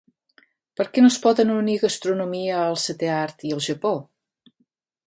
Per què no es poden unir gastronomia, el setè art i el Japó?